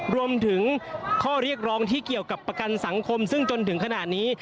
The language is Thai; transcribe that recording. รวมถึงข้อเรียกร้องที่เกี่ยวกับประกันสังคมซึ่งจนถึงขณะนี้